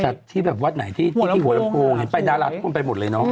จากที่แบบวัดไหนที่ที่หัวและโพงไปดาราทุกคนไปหมดเลยเนอะ